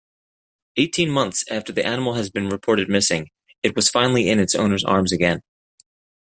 Eighteen months after the animal has been reported missing it was finally in its owner's arms again.